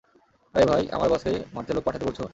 আরে ভাই, আমার বসকেই মারতে লোক পাঠাতে বলছো।